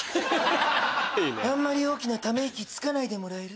あんまり大きなため息つかないでもらえる？